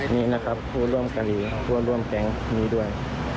นี่นะครับผู้ร่วมเกาหลีผู้ร่วมแก๊งนี้ด้วย